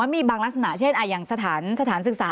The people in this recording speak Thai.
มีบางลักษณะเช่นอย่างสถานศึกษา